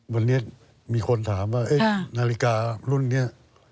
วันนี้มีคนถามว่านาฬิการุ่นนี้